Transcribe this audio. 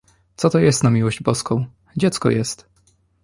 — Co to jest, na miłość boską? — Dziecko jest.